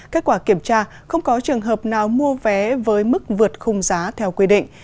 kết quả kiểm tra không có trường hợp nào mua vé với mức vượt khung giá theo quy định